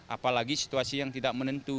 apalagi situasi yang tidak menentu